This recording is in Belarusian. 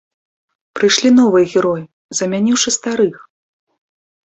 Прыйшлі новыя героі, замяніўшы старых!